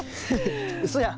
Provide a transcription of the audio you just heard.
うそやん。